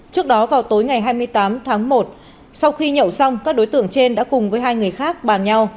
trước đó vào tối ngày hai mươi tám tháng một sau khi nhậu xong các đối tượng trên đã cùng với hai người khác bàn nhau